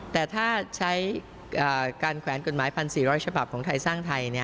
แต่ถ้าใช้อ่าการแขวนกฎหมายพันสี่ร้อยฉบับของไทยสร้างไทยเนี่ย